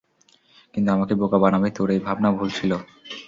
কিন্তু আমাকে বোকা বানাবি তোর এই ভাবনা ভুল ছিল।